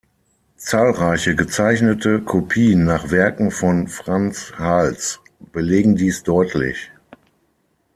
Zahlreiche gezeichnete Kopien nach Werken von Frans Hals belegen dies deutlich.